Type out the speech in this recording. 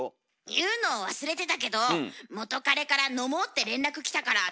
言うの忘れてたけど元カレから飲もうって連絡来たから昨日飲んできた。